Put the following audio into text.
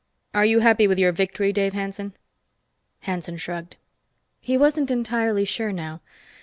Are you happy with your victory, Dave Hanson?" Hanson shrugged. He wasn't entirely sure, now.